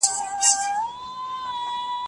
کمپيوټر ميموري پاکوي.